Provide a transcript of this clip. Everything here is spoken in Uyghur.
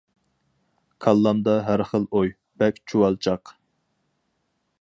كاللامدا ھەر خىل ئوي، بەك چۇۋالچاق.